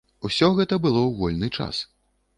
Усё гэта было ў вольны час.